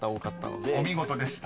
［お見事でした。